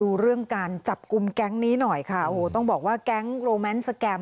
ดูเรื่องการจับกลุ่มแก๊งนี้หน่อยค่ะโอ้โหต้องบอกว่าแก๊งโรแมนสแกรม